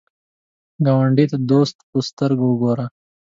ګاونډي ته د دوست په سترګه وګوره